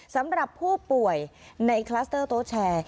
สำหรับผู้ป่วยในคลัสเตอร์โต๊ะแชร์